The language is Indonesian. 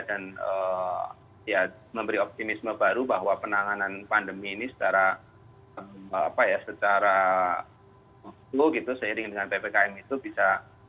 dan ya memberi optimisme baru bahwa penanganan pandemi ini secara apa ya secara seiring dengan ppkm itu bisa